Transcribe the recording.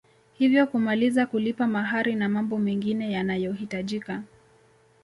Hivyo kumaliza kulipa mahari na mambo mengine yanayohitajika